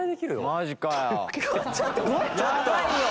マジかよ。